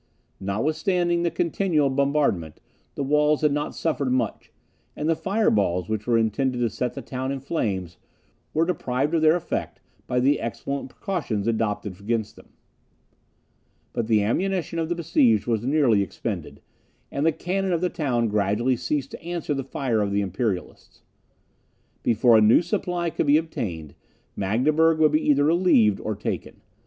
Notwithstanding the continual bombardment, the walls had not suffered much; and the fire balls, which were intended to set the town in flames, were deprived of their effect by the excellent precautions adopted against them. But the ammunition of the besieged was nearly expended, and the cannon of the town gradually ceased to answer the fire of the Imperialists. Before a new supply could be obtained, Magdeburg would be either relieved, or taken.